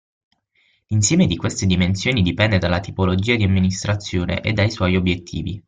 L'insieme di queste dimensioni dipende dalla tipologia di amministrazione e dai suoi obiettivi.